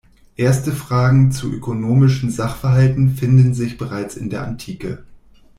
Erste Fragen zu ökonomischen Sachverhalten finden sich bereits in der Antike.